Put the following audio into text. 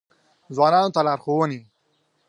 ځوانانو ته لارښوونې: